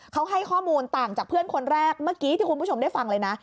เขาให้ข้อมูลต่างจากเพื่อนคนแรกเมื่อกี้ที่คุณผู้ชมได้ฟังเลยนะ